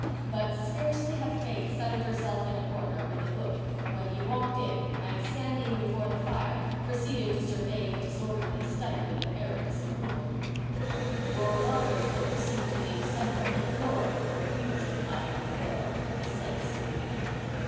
But scarcely had Faith settled herself in a corner, with a book, when he walked in and, standing before the fire, proceeded to survey the disorderly study with an air of disapproval. "You father's books seem to be in somewhat deplorable confusion, my little girl," he said severely.